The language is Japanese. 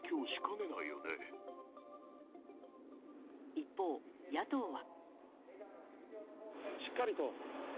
一方、野党は。